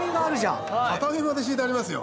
畳まで敷いてありますよ。